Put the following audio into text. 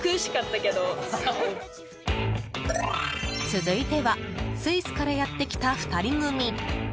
続いてはスイスからやってきた２人組。